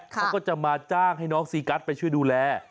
เขาก็จะมาจ้างให้น้องซีกัสไปช่วยดูแล